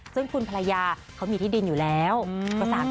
ซึ่งคุณภรรยาเขามีที่ดินอยู่แล้วกว่า๓๐กว่าร่าย